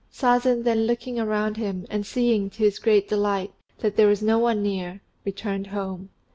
Sazen then looking around him, and seeing, to his great delight, that there was no one near, returned home.